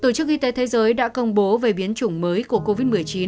tổ chức y tế thế giới đã công bố về biến chủng mới của covid một mươi chín